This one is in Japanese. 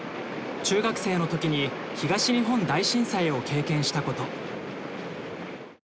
中学生の時に東日本大震災を経験したこと。